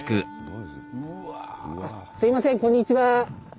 すみませんこんにちは。